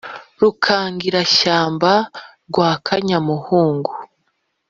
Rukangirashyamba rwa Kanyamuhungu